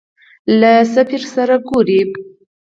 له سفیر سره ګورې.